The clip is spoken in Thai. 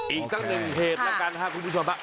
อีกตั้งหนึ่งเหตุแล้วกันครับคุณผู้ชม